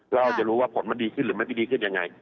เราจะรู้ว่าผลมันดีขึ้นหรือไม่ดีขึ้นอย่างไร